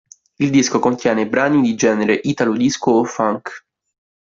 Il disco contiene brani di genere Italo-Disco o Funk.